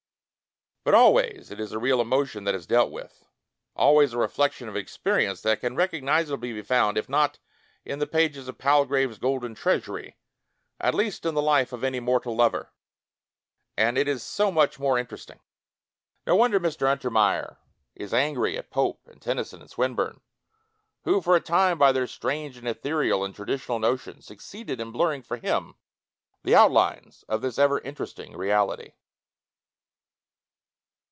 But always it is ar real emotion that is dealt with — ^always a reflection of an experience that can recognizably be found, if not in the pages of Pal grave's "Golden Treasury", at least in the life of any mortal lover. ... And it is so much more interesting! No wonder Mr. Untermeyer is angry at Pope and Tennyson and Swinburne, who for a time by their strange and ethereal and traditional notions suc ceeded in blurring for him the outlines of this ever interesting reality!